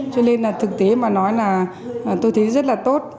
cho nên là thực tế mà nói là tôi thấy rất là tốt